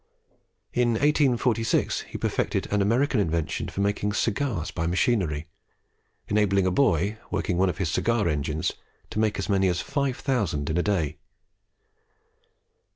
In 1846 he perfected an American invention for making cigars by machinery; enabling a boy, working one of his cigar engines, to make as many as 5000 in a day.